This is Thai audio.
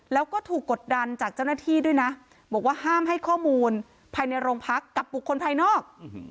แล้วก็ถูกกดดันจากเจ้าหน้าที่ด้วยนะบอกว่าห้ามให้ข้อมูลภายในโรงพักกับบุคคลภายนอก